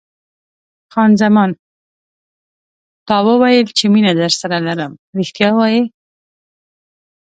خان زمان: تا وویل چې مینه درسره لرم، رښتیا وایې؟